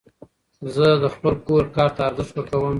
زه د خپل کور کار ته ارزښت ورکوم.